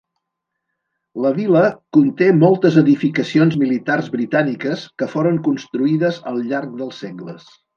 La vila conté moltes edificacions militars britàniques que foren construïdes al llarg dels segles.